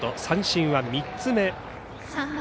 三振は３つ目。